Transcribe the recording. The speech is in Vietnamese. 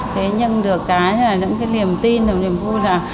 thế nhưng được cái những cái niềm tin những cái niềm vui là